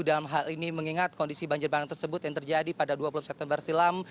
dalam hal ini mengingat kondisi banjir bandang tersebut yang terjadi pada dua puluh september silam